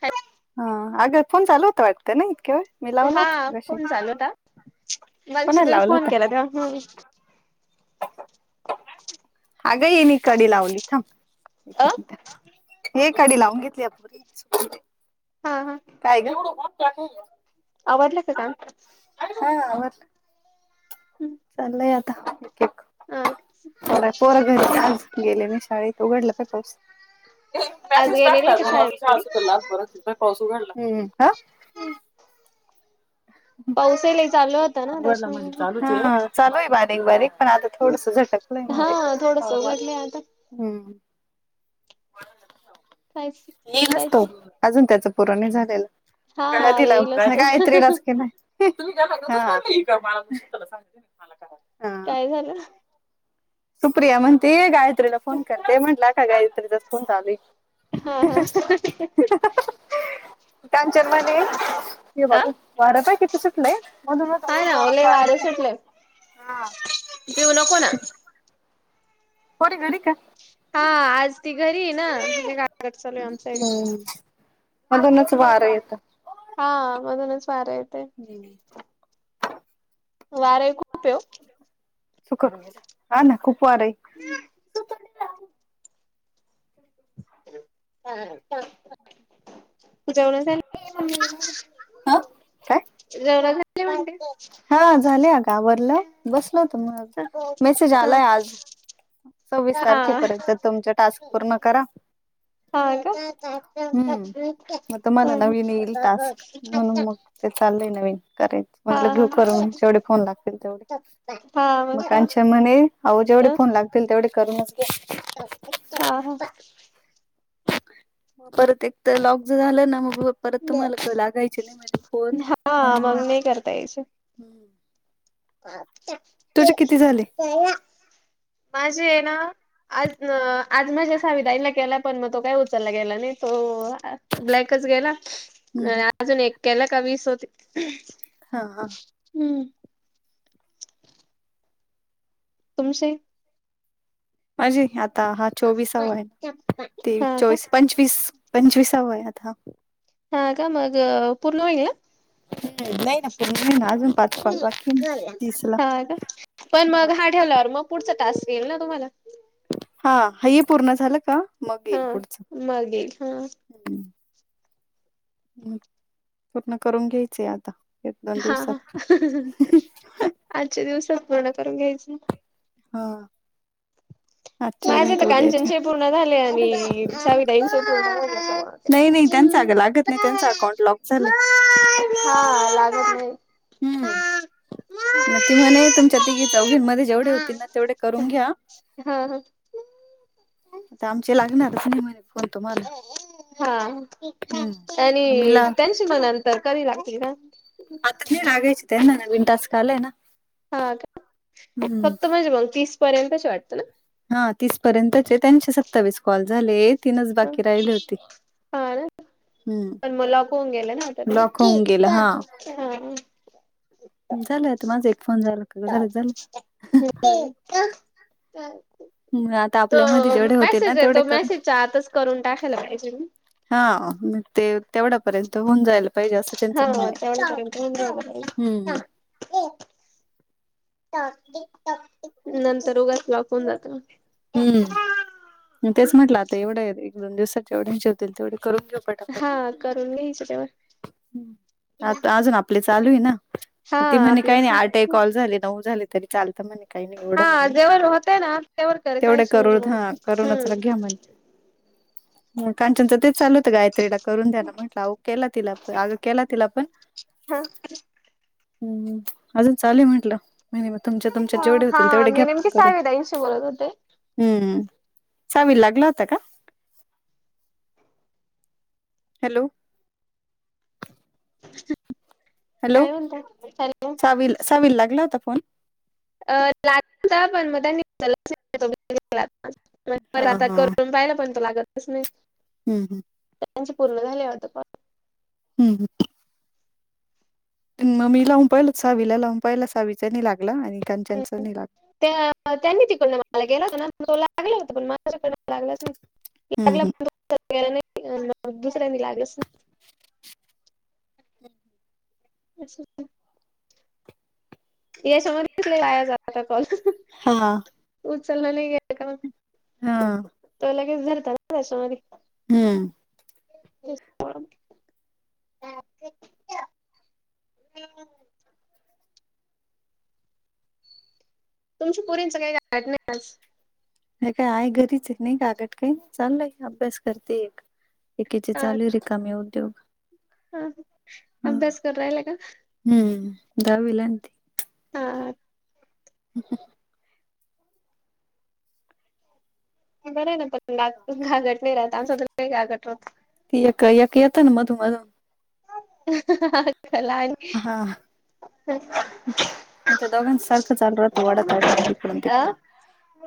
कायं माहितं हां अगं फोन चालूं होतां वाटतं नां इतके व मी लावलं होतां मघाशी हां मणं तुम्हीं फोन केलां तेंव्हा अगं येणी कडी लावली अ थांब हे काढीलाऊंन घेतली अप हां हां कायं गं आवडले कां स्टांक हां आवतं हम्मं चालंय आंता एक एक पोरं घरी आंज गेले नाहीं शाळेंत उघडलं कां पाऊस आज मॅसेस गेले नाही टाकला का दोन वाजता शाळेमध्ये [unintelligible] बर पाऊस उघडला रिका मा आहे [inaudible] पाऊसाला चालू हात. उघडला म्हणजे चालूच आहे हा चालू आहे बारीक बारीक. पण आता थोडस झटकलंय हा म्हणजे थोडस नॉर्मल उघडलंय आता हम्म. पायसी. मी नसतो अजून त्याचं पुरण झालेलं [inaudible] हा तिला येईलच तो काहीत्रीलाच के नाही हा हा, काय झालं. सुप्रिया म्हणते गायत्रीला फोन करते म्हटलं का गात्रीला फोन चालू हाय. हा हा, त्यांच्या म्हणे. हे अ बाबू वारं पाय किती सुटलंय मधून म हा असं ना ओ जोरात लय वार वारं येते हा. देऊ न को ना. कोणी घरी हाय का. हा आज ती घरी ना का चालू आहे आमच्या. हम्म मधूनच वारा येत. हा मधूनच वार येते. ह [inaudible] वार खूप पेव. सु कर हा ना खूप वार आहे. हम्म [inaudible] जेवण झाली. [inaudible] काय? जवरा [unintelligible] घाली म्हणते हा झाले आग आवरल बसल होत मग मेसेज हा आलाय आज. सव्वीस तारखेपर्यंत तुमच टास्क पूर्ण करा मग नाही हम्म मग तुम्हाला नवन इल टास्क म्हणून मग. ते चाललंय नवीन करायचं म्हटलं घेऊ करूनच. केवढे फोन लागतात तेवढे मग काचे म्हणे आहो जेवढे फोन लागतात. तेवढे करून नच घे. [inaudible] म परत एक तर लॉक ज झालं ना मग. परत तुम्हाला लागायचे नाही म्हणजे फोन म्हण करता म्हटलं. पा ते तुझे [inaudible] [inaudible] माझी आहे ना. आज न आज माज्या अस विधईला केला पण मग तो काय उचलला गेला नाही तो अ. ब्लॅकच गेला हम्म हम्म अजून एक्याला का वीस होते. हा हा, हम्म. तुमचे. माझे आता हा चोवीसावा आहेय. तेवि हा का चोवीस पंचवीस पंचवीस सहावा होया आता. हा का मग पूर्ण होईल ना. [unintelligible] ना पूर्ण आहे ना अजून पाच कॉल बाकी आहे तीसला. हा का पण मग हा ठेवल्यावर मग पुढचा टास्क येईल ना तुम्हाला हा हे पूर्ण झालं का मग हा येईल पुढचं मग येईल ह पूर्ण करून घ्यायचंय आता एक दोन हा दिवसात. आजचे दिवस पूर्ण करून घ्यायचं हा आजच्या माझे नाहीत तर उद्याच्या. कांचनचे पूर्ण झाले कुठे आणि गेला? साविताईंश पूर्ण झाले [unintelligible] नाही, नाही त्यांचं आग लागत नाही त्यांचं अकाउंट लॉक झालंय हा लागत नाही हम्म मग ती म्हणे तुमच्या तिघी चौघींमध्ये जेवढे होती ना तेवढे करून घ्या [unintelligible] आता आमचे लागणार हा हम्म. मी ला आणि त्यां तर कारी लागतील का आत न लागायचित आहे ना नवीन टास्क आले ना हा का हम्म [unintelligible] तीस पर्यंतच वाटतं ना हा तीसपर्यंतचे त्यांशे सत्तावीस कॉल झाले तीनच बाकी राहिली होते हा ना हम्म पण म लॉक होऊन गेलं ना आता ते लॉक होऊन गेला हा झालं आता माझा एक फोन झाला का झालं झालं ह तर म आता आपल्या मध्ये जेवढे होतील ना तेवढे तो करू मेसेजच्या आतच करून टाकायला पाहिजे. हा म ते तेवढ्या पर्यंत होऊन जायला पाहिजे असं त्यांचं हा म्हणणं तेवढं करून ठेवून द्यायला पाहिजे. हम्म नंतर उगच लॉकन जात हम्म तेच म्हटलं आता एवढं एक दोन दिवसात जेवढ्यां जेवतील तेवढे करून घेऊ प हा करून घ्यायचं तेव्हा आता अजून आपले चालू आहे ना हा ते म्हणणे काही आपलेच नाही ना आ टाईप कॉल झाले नऊ झाले तरी चालत म काही, नाही हा एवढं म्हणे जेवर होतय ना त्यावर करत तेवढे राहायचं म्हणजे करून मग हा करूनच घ्या म्हण काचनच तेच चालू होतं गायत्रीला करून द्या ना म्हंटलं अ केला तिलाण अग केला तिला आपण हम्म हम्म अजून चालुय म्हंटलं नाई म तुमच्या, तुमच्यात जेवढे होतील हा तेवढे घ्या मी नेमकी करून साविताईंशी बोलत होते हम्म सावीला लागला होता का हॅलो [unintelligible] हॅलो काय म्हणता हॅलो सावी सावीला लागला होता फोन अ लाग होता पण हा [unintelligible] [unintelligible] आता हा करून पाहिला पण त लागतच नाही हम् त्यांचे पूर्ण झाले आता पण हम्म हम्म. तेन मी लावून पाहिलं सावीला लावून पाहियला सावीचा नी लागलं आणि कंचनचं नी लाग त्या त्यांनी तिकडनं मला केला होता ना तो लागला होता पण माझ्या [unintelligible] लागलाच नाही. हम्म हम्म [unintelligible] [unintelligible] दुसऱ्यांनी लागलस. [unintelligible] याच्यामध्ये [unintelligible] जाता कॉल हा उचलला नाही गेला का म हां. तो लगेच धरता ना त्याच्यामधी. हम्म. [unintelligible] तुमची पुरींचा [unintelligible] नाही आज. हे काय आहेय घरीच आहे नाही कागट काय नाय चाललंय अभ्यास करते एक एकेचे हा चालू री कामी उद्योग हा हा अभ्यास करायला का? हम्म दहावीला आहे आन ती. हा. [unintelligible] बरं आहे ना [unintelligible] घाघट नाही राहत आमचा तर काही लई घघाट राहतं. ती एक एक येतं ना मधु-मधू. हा कलान हां. [unintelligible] पण ते दोघां सारखं चालू राहतं वाडा ताडी इकडून अ तिकडं.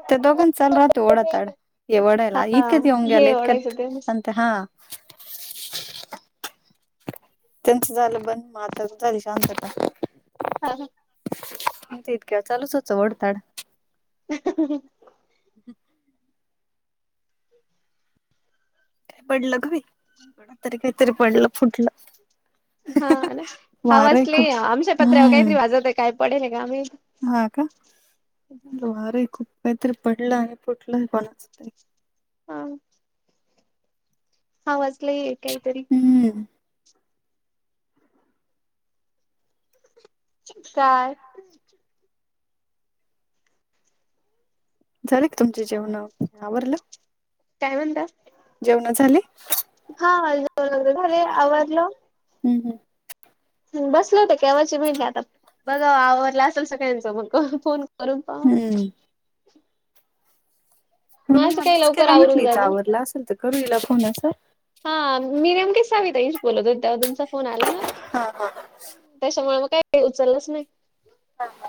ते दोघान चालू राहतं ओडा ताडा ये ओडायला हा इतक्यानं येऊन गेलं हे ओढायचं ते इतक्यात आन ता हा त्यांचा झालं बंद म आता झाली शांतता. हा हा. पण ते इतक्या चालूच होचं वडताड. पडलं का बाई [inaudible] तरी काहीतरी पडलं फुटलं. हा ना वार आहे हावजली खूप आमच्या पत्र्यावर काहीतरी हम्म वाजवतो आहे काय पडेल आहे का आम्ही. हा का वारे खूप काहीतरी पडलं आणि फुटलं कोणाचं तरी. हां. हा वाचलयई काहीतरी हम्म. काय झाले क तुमचे जेवणं वगैरे आवरलं काय म्हणता? जेवणं झाली? हा जेवण वगैरे झाले आवारलं हम्म हम्म. बसल होतं केव्हाची म्हटले आता बघा आवरला असेल सगळ्यांचं मग फोन करून पाहा. हम्म हम्म म्हणून माझं काही आम्हीच लवकर केला म्हंटलं आवरून हिचा जातं. आवरला असेल तर करू हिला फोन असा. हा मी नेमकी साविताइंश बोलतो तेव्हा तुमचा फोन आला ना. हा, हा. कशामुळे मग काही का? उचललाच नाही. [unintelligible]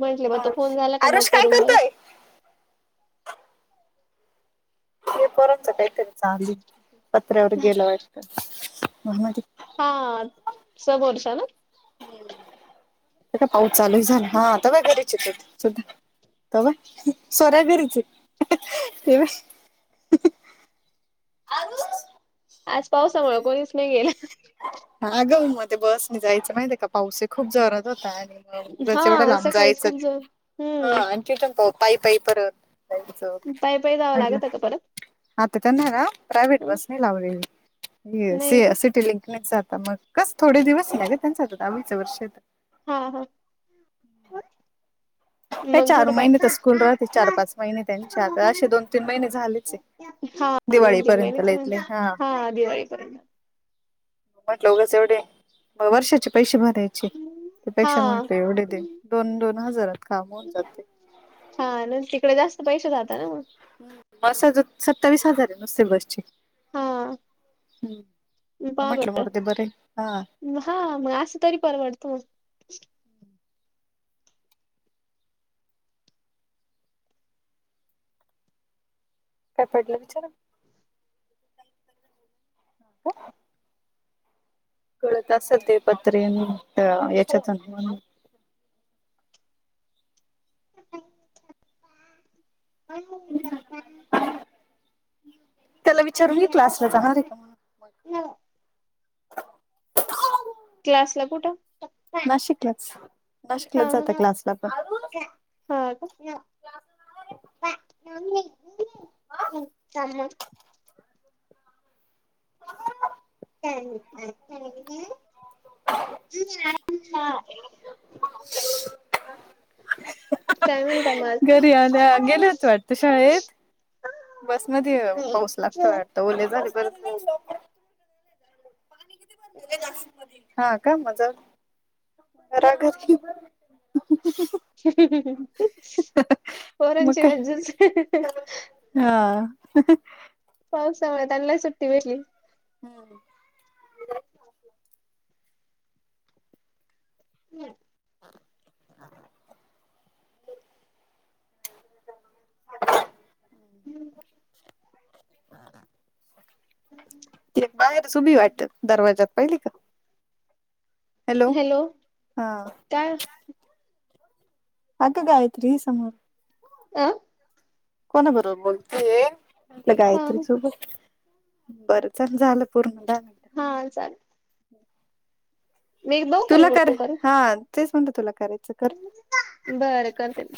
म्हटले, तो फोन झाला का, मग आरुष काय करून बघा. करतोय ते पोरांच काय चालूय. पत्र्यावर गेलं वाटतं. [unintelligible] हा. समोरचा, ना. आता पाऊस चालूय झाला. हा आता काय करायचा. असू द्या. [unintelligible] आरु. आज पावसामुळं, कोणीच नाही गेलं. [unintelligible] मध्ये बस ने जायचं माहित का? पाऊसही खूप जोरात होता. आणि उगच एवढ्या हा लांब सकाळीच जायचं. खूप जण हा हम्म अन् तिथून पण पाई - पाई परत. जायचं. पायी पायी जावं आनला. लागत का परत आता त्यांना ना, प्रायवट बस नाही लावलेली. सी नाही अ का सिट ते लिंकनीच जात. मग कसं, थोडे दिवस लागेल त्यांच दहावीच वर्ष. हा, हा. काय मग चार थोडं पाय महिने तर स्कूल राहते. चार पाच महिने त्यांचे आता. असे दोन- तीन महिने झालेचय. हा दोन - तीन महिनेच राहिली. हा, दिवाळीपर्यंत. म्हटलं, ऊगच एवढे. म वर्षाचे पैसे भरायचे. छी! त्यापेक्षा मग हा. ते एवढे दे, दोन- दोन हजारात. काम होऊन जाते. हा, न. तिकडे जास्त पैसे, जाता ना मग. मस्साजोग, सत्तावीस हजारय. नुसत्या बसची. हा. मग पाहा, म्हटलं बर. मरू दे बरे हा हा, मग असं तरी परवडतो. काय पडलं, विचारा? हो. गळत असल ते पतरे न [unintelligible] याच्यातुन पाणी. [unintelligible] त्याला विचारून यी, क्लासला जाणारय का? म्हणून क्लासला कुठं? नाशिकलंच. हा नाशिकलच जात क्लासला पण. हा, का? [inaudible] [unintelligible] [inaudible] [unintelligible] काय म्हणता मग अजून? घरी आल्या [inaudible] बस मध्येय. पाऊस लागतो वाटत. ओले झाले, परत. इथे, नाशिक मधी. हा, का? मज राहा घरी. [unintelligible] मग पोरांची काय मज्जाचय. [unintelligible] हा. [unintelligible] पावसामुळे, त्यानलाही सुट्टी भेटली. हम्म. [unintelligible] हा [inaudible] बाहेरच उभी आहे वाटत दरवाज्यात पहिली का? हॅलो, हा काय? आग गायत्री आहे समोर. अ.. कोणा बरोबर बोलतेय? आपल्या हा गायत्री सोबत. बर चल झालं पूर्ण दा हा चाल बघू का तुला कर इकडून करून हा तेच म्हणत तुला करायचं. कर बरं करते मी.